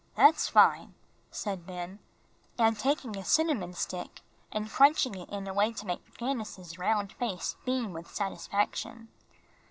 "That's fine," said Ben, taking a cinnamon stick and crunching it in a way to make Candace's round face beam with satisfaction.